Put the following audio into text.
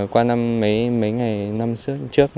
qua mấy ngày năm trước